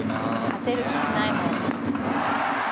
「勝てる気しないもん」